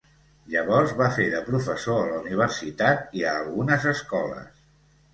Llavors va fer de professor a la universitat i a algunes escoles.